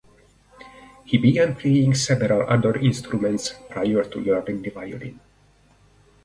He began playing several other instruments prior to learning the violin.